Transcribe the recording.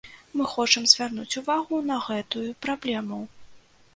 Мы хочам звярнуць увагу на гэтую праблему.